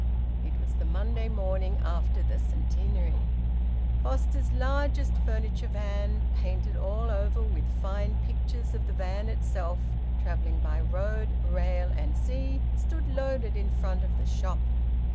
It was the Monday morning after the Centenary. Foster's largest furniture van, painted all over with fine pictures of the van itself travelling by road, rail, and sea, stood loaded in front of the shop.